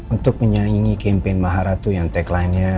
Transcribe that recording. untuk menyaingi kempen maharatu yang taglinenya